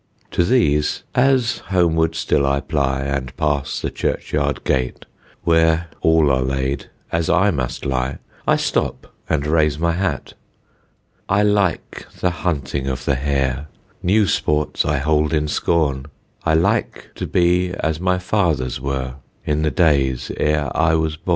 To these, as homeward still I ply, And pass the churchyard gate, Where all are laid as I must lie, I stop and raise my hat. I like the hunting of the hare; New sports I hold in scorn. I like to be as my fathers were, In the days e'er I was born.